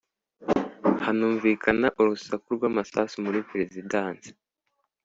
hanumvikana urusaku rw’amasasu muri perezidanse